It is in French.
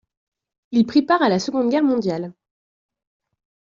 Il prit part à la Seconde Guerre mondiale.